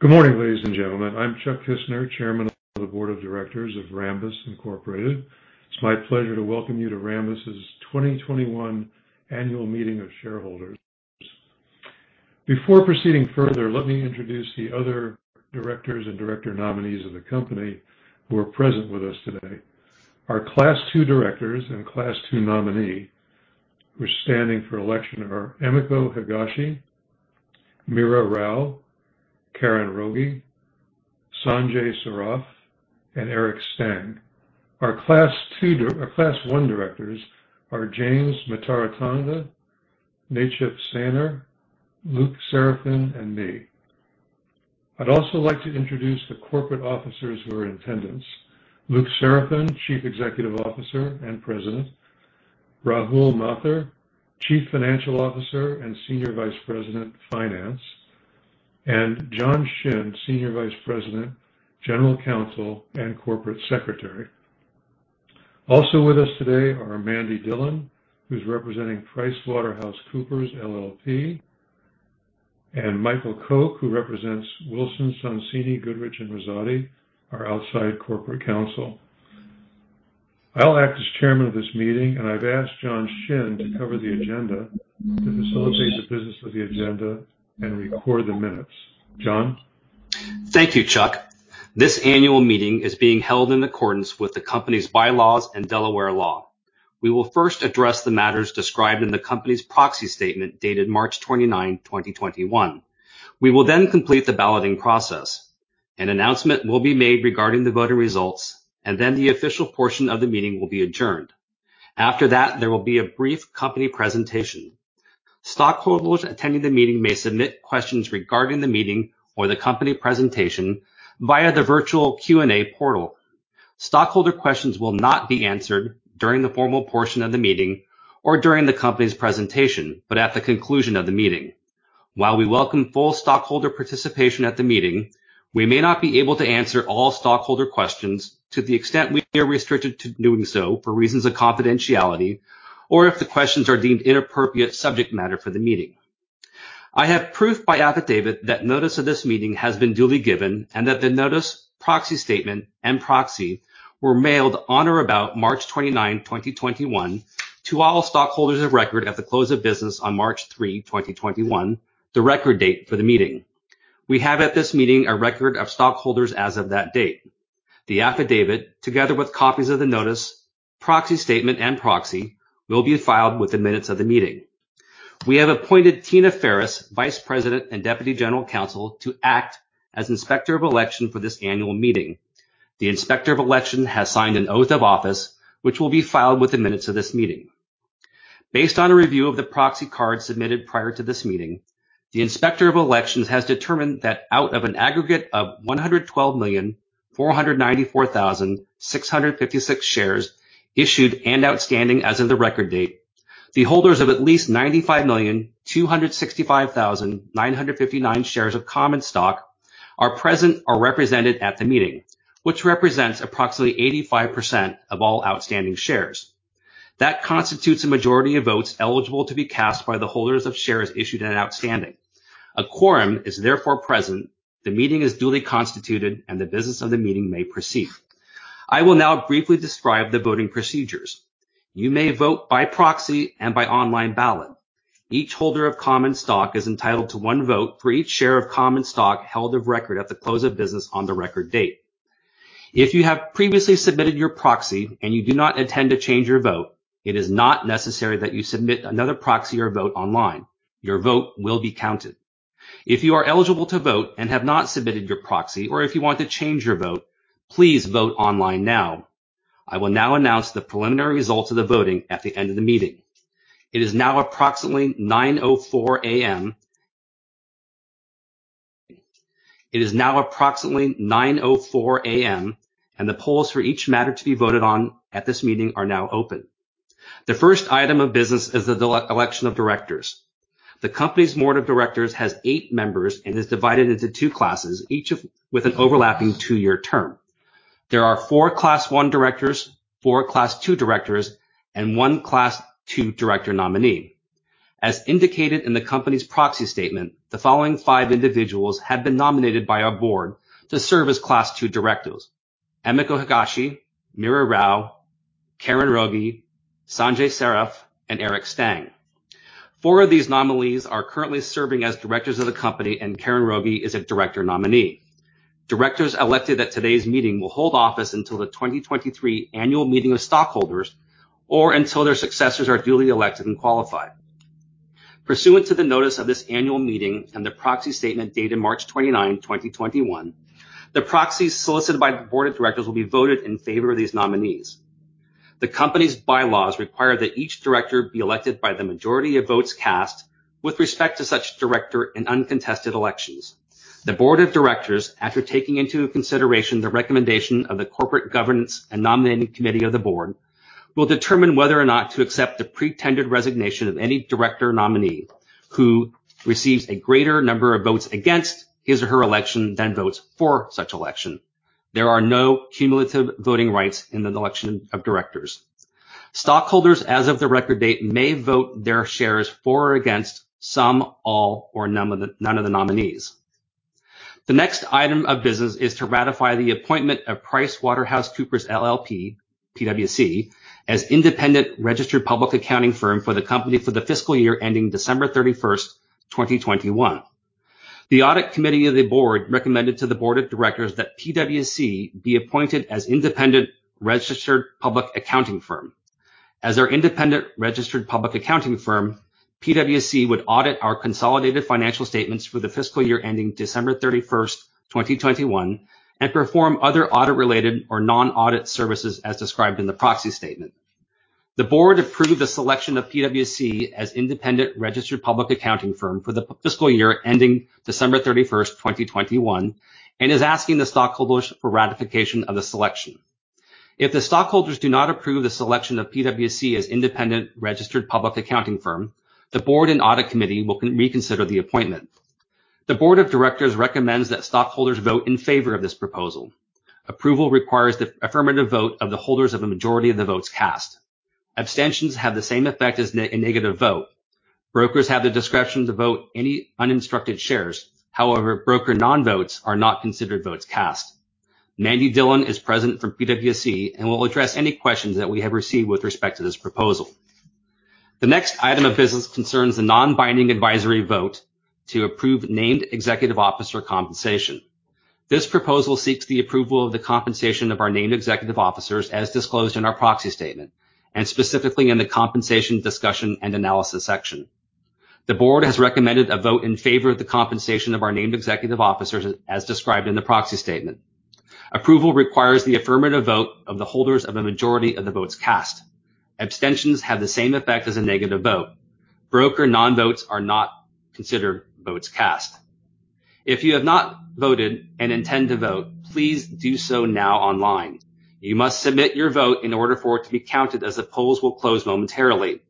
Good morning, ladies and gentlemen. I'm Charles Kissner, Chairman of the Board of Directors of Rambus Incorporated. It's my pleasure to welcome you to Rambus's 2021 annual meeting of shareholders. Before proceeding further, let me introduce the other directors and director nominees of the company who are present with us today. Our Class 2 directors and Class 2 nominee who are standing for election are Emiko Higashi, Meera Rao, Karen Rogge, Sanjay Saraf, and Eric Stang. Our Class 1 directors are James Mitarotonda, Necip Sayiner, Luc Seraphin, and me. I'd also like to introduce the corporate officers who are in attendance. Luc Seraphin, Chief Executive Officer and President, Rahul Mathur, Chief Financial Officer and Senior Vice President, Finance, and John Shinn, Senior Vice President, General Counsel, and Corporate Secretary. Also with us today are Mandy Dillon, who's representing PricewaterhouseCoopers LLP, and Michael Coke, who represents Wilson Sonsini Goodrich & Rosati, our outside corporate counsel. I'll act as chairman of this meeting, and I've asked John Shinn to cover the agenda, to facilitate the business of the agenda and record the minutes. John? Thank you, Chuck. This annual meeting is being held in accordance with the company's bylaws and Delaware law. We will first address the matters described in the company's proxy statement dated March 29, 2021. We will then complete the balloting process. An announcement will be made regarding the voting results, and then the official portion of the meeting will be adjourned. After that, there will be a brief company presentation. Stockholders attending the meeting may submit questions regarding the meeting or the company presentation via the virtual Q&A portal. Stockholder questions will not be answered during the formal portion of the meeting or during the company's presentation, but at the conclusion of the meeting. While we welcome full stockholder participation at the meeting, we may not be able to answer all stockholder questions to the extent we are restricted to doing so for reasons of confidentiality, or if the questions are deemed inappropriate subject matter for the meeting. I have proof by affidavit that notice of this meeting has been duly given and that the notice proxy statement and proxy were mailed on or about March 29, 2021 to all stockholders of record at the close of business on March 3, 2021, the record date for the meeting. We have at this meeting a record of stockholders as of that date. The affidavit, together with copies of the notice, proxy statement, and proxy, will be filed with the minutes of the meeting. We have appointed Tina Farris, Vice President and Deputy General Counsel, to act as Inspector of Election for this annual meeting. The Inspector of Election has signed an oath of office, which will be filed with the minutes of this meeting. Based on a review of the proxy card submitted prior to this meeting, the Inspector of Elections has determined that out of an aggregate of 112,494,656 shares issued and outstanding as of the record date, the holders of at least 95,265,959 shares of common stock are present or represented at the meeting, which represents approximately 85% of all outstanding shares. That constitutes a majority of votes eligible to be cast by the holders of shares issued and outstanding. A quorum is therefore present, the meeting is duly constituted, and the business of the meeting may proceed. I will now briefly describe the voting procedures. You may vote by proxy and by online ballot. Each holder of common stock is entitled to one vote for each share of common stock held of record at the close of business on the record date. If you have previously submitted your proxy and you do not intend to change your vote, it is not necessary that you submit another proxy or vote online. Your vote will be counted. If you are eligible to vote and have not submitted your proxy, or if you want to change your vote, please vote online now. I will now announce the preliminary results of the voting at the end of the meeting. It is now approximately 9:04 A.M. It is now approximately 9:04 A.M., and the polls for each matter to be voted on at this meeting are now open. The first item of business is the election of directors. The company's board of directors has eight members and is divided into two classes, each with an overlapping two-year term. There are four Class I directors, four Class II directors, and one Class II director nominee. As indicated in the company's proxy statement, the following five individuals have been nominated by our board to serve as Class II directors: Emiko Higashi, Meera Rao, Karen Rogge, Sanjay Saraf, and Eric Stang. Four of these nominees are currently serving as directors of the company, and Karen Rogge is a director nominee. Directors elected at today's meeting will hold office until the 2023 annual meeting of stockholders or until their successors are duly elected and qualified. Pursuant to the notice of this annual meeting and the proxy statement dated March 29, 2021, the proxies solicited by the Board of Directors will be voted in favor of these nominees. The company's bylaws require that each director be elected by the majority of votes cast with respect to such director in uncontested elections. The Board of Directors, after taking into consideration the recommendation of the Corporate Governance and Nominating Committee of the Board, will determine whether or not to accept the pre-tendered resignation of any director nominee who receives a greater number of votes against his or her election than votes for such election. There are no cumulative voting rights in the election of directors. Stockholders as of the record date may vote their shares for or against some, all, or none of the nominees. The next item of business is to ratify the appointment of PricewaterhouseCoopers LLP, PwC, as independent registered public accounting firm for the company for the fiscal year ending December 31st, 2021. The audit committee of the board recommended to the board of directors that PwC be appointed as independent registered public accounting firm. As our independent registered public accounting firm, PwC would audit our consolidated financial statements for the fiscal year ending December 31st, 2021, and perform other audit-related or non-audit services as described in the proxy statement. The board approved the selection of PwC as independent registered public accounting firm for the fiscal year ending December 31st, 2021, and is asking the stockholders for ratification of the selection. If the stockholders do not approve the selection of PwC as independent registered public accounting firm, the board and audit committee will reconsider the appointment. The board of directors recommends that stockholders vote in favor of this proposal. Approval requires the affirmative vote of the holders of a majority of the votes cast. Abstentions have the same effect as a negative vote. Brokers have the discretion to vote any uninstructed shares. Broker non-votes are not considered votes cast. Mandy Dillon is present from PwC and will address any questions that we have received with respect to this proposal. The next item of business concerns the non-binding advisory vote to approve named executive officer compensation. This proposal seeks the approval of the compensation of our named executive officers as disclosed in our proxy statement, and specifically in the compensation discussion and analysis section. The board has recommended a vote in favor of the compensation of our named executive officers as described in the proxy statement. Approval requires the affirmative vote of the holders of a majority of the votes cast. Abstentions have the same effect as a negative vote. Broker non-votes are not considered votes cast. If you have not voted and intend to vote, please do so now online. You must submit your vote in order for it to be counted, as the polls will close momentarily.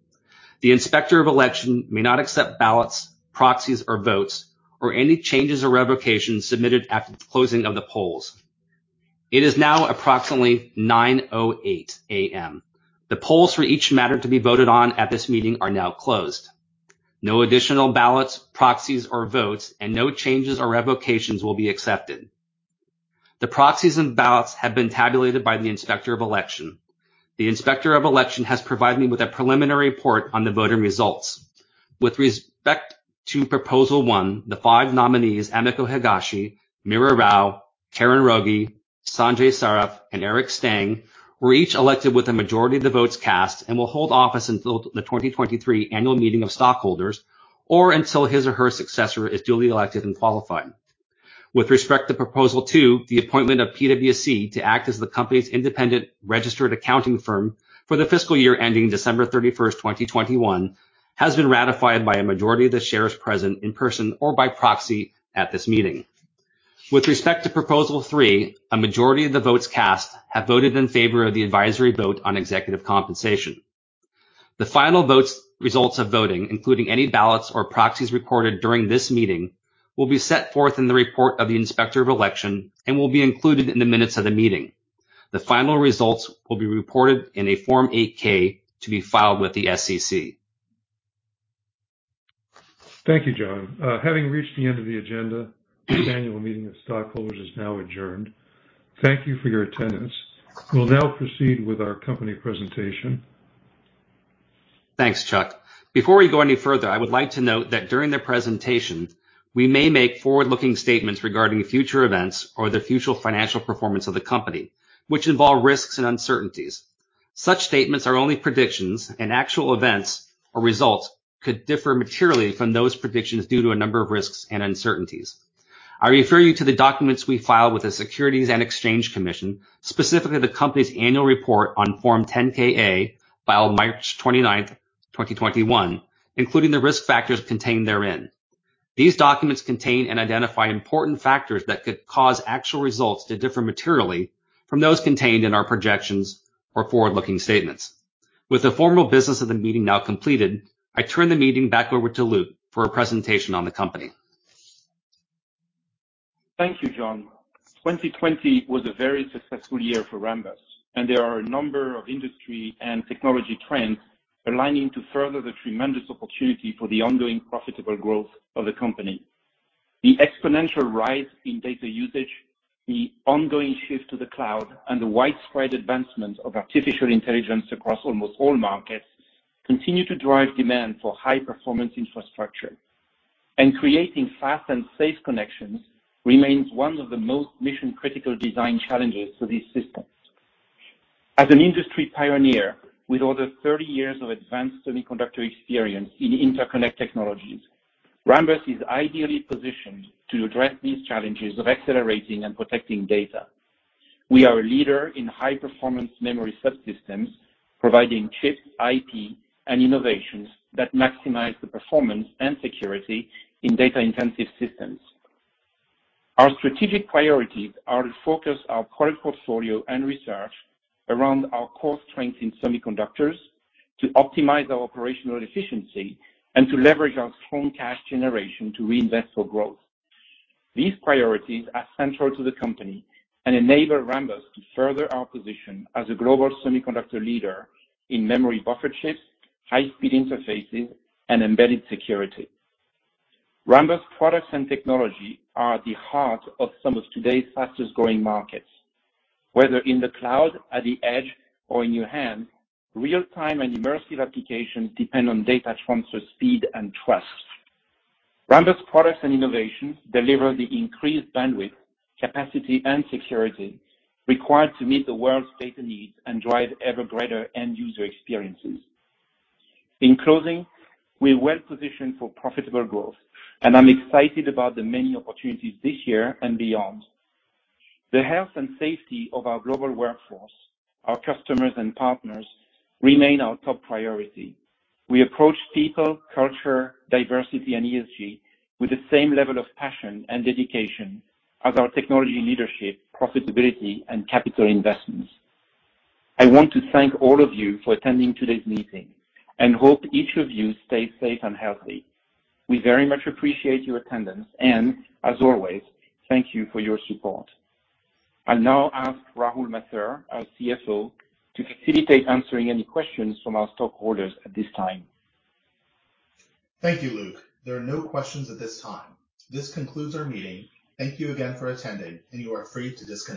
The Inspector of Election may not accept ballots, proxies, or votes, or any changes or revocations submitted after the closing of the polls. It is now approximately 9:08 A.M. The polls for each matter to be voted on at this meeting are now closed. No additional ballots, proxies, or votes, and no changes or revocations will be accepted. The proxies and ballots have been tabulated by the Inspector of Election. The Inspector of Election has provided me with a preliminary report on the voting results. With respect to proposal one, the five nominees, Emiko Higashi, Meera Rao, Karen Rogge, Sanjay Saraf, and Eric Stang, were each elected with a majority of the votes cast and will hold office until the 2023 annual meeting of stockholders, or until his or her successor is duly elected and qualified. With respect to proposal two, the appointment of PwC to act as the company's independent registered accounting firm for the fiscal year ending December 31st, 2021, has been ratified by a majority of the shares present in person or by proxy at this meeting. With respect to proposal three, a majority of the votes cast have voted in favor of the advisory vote on executive compensation. The final results of voting, including any ballots or proxies recorded during this meeting, will be set forth in the report of the Inspector of Election and will be included in the minutes of the meeting. The final results will be reported in a Form 8-K to be filed with the SEC. Thank you, John. Having reached the end of the agenda, the annual meeting of stockholders is now adjourned. Thank you for your attendance. We'll now proceed with our company presentation. Thanks, Chuck. Before we go any further, I would like to note that during the presentation, we may make forward-looking statements regarding future events or the future financial performance of the company, which involve risks and uncertainties. Such statements are only predictions, and actual events or results could differ materially from those predictions due to a number of risks and uncertainties. I refer you to the documents we filed with the Securities and Exchange Commission, specifically the company's annual report on Form 10-K, filed March 29th, 2021, including the risk factors contained therein. These documents contain and identify important factors that could cause actual results to differ materially from those contained in our projections or forward-looking statements. With the formal business of the meeting now completed, I turn the meeting back over to Luc for a presentation on the company. Thank you, John. 2020 was a very successful year for Rambus. There are a number of industry and technology trends aligning to further the tremendous opportunity for the ongoing profitable growth of the company. The exponential rise in data usage, the ongoing shift to the cloud, the widespread advancement of artificial intelligence across almost all markets continue to drive demand for high-performance infrastructure. Creating fast and safe connections remains one of the most mission-critical design challenges for these systems. As an industry pioneer with over 30 years of advanced semiconductor experience in interconnect technologies, Rambus is ideally positioned to address these challenges of accelerating and protecting data. We are a leader in high-performance memory subsystems, providing chip, IP, innovations that maximize the performance and security in data-intensive systems. Our strategic priorities are to focus our product portfolio and research around our core strengths in semiconductors, to optimize our operational efficiency, and to leverage our strong cash generation to reinvest for growth. These priorities are central to the company and enable Rambus to further our position as a global semiconductor leader in memory buffer chips, high-speed interfaces, and embedded security. Rambus products and technology are at the heart of some of today's fastest-growing markets. Whether in the cloud, at the edge, or in your hand, real-time and immersive applications depend on data transfer speed and trust. Rambus products and innovations deliver the increased bandwidth, capacity, and security required to meet the world's data needs and drive ever greater end-user experiences. In closing, we're well positioned for profitable growth, and I'm excited about the many opportunities this year and beyond. The health and safety of our global workforce, our customers and partners remain our top priority. We approach people, culture, diversity, and ESG with the same level of passion and dedication as our technology leadership, profitability, and capital investments. I want to thank all of you for attending today's meeting and hope each of you stay safe and healthy. We very much appreciate your attendance, and as always, thank you for your support. I'll now ask Rahul Mathur, our CFO, to facilitate answering any questions from our stockholders at this time. Thank you, Luc. There are no questions at this time. This concludes our meeting. Thank you again for attending, and you are free to disconnect.